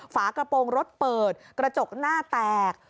ฝากระโปรงรถเปิดกระจกหน้าแตก